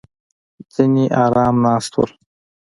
ځینې ارامه ناست وو.